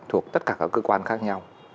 thuộc tất cả các cơ quan khác nhau